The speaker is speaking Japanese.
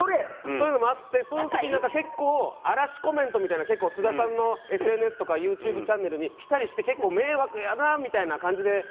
そういうのもあってその時になんか結構荒らしコメントみたいなの結構津田さんのＳＮＳとかユーチューブチャンネルにきたりして結構「迷惑やな」みたいな感じで言ってましたよね。